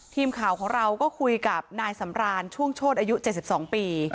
ทีมข่าวของเราก็คุยกับนายสำราญช่วงโชธอายุ๗๒ปี